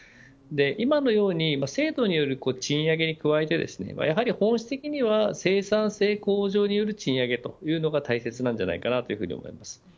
今のように制度による賃上げに加えてやはり本質的には、生産性向上による賃上げというのが大切なのではないかと思います。